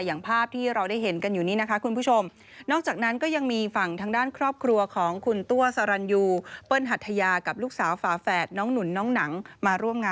อย่างภาพที่เราได้เห็นกันอยู่นี้นะคะคุณผู้ชม